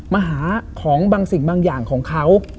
มาหาของบางสิ่งบางอย่างของเขา